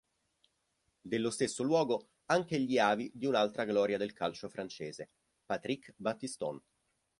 Dello stesso luogo anche gli avi di un'altra gloria del calcio francese, Patrick Battiston.